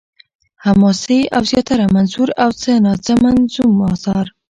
حماسې او زياتره منثور او څه نا څه منظوم اثار